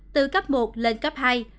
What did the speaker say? từ cấp một lên cấp hai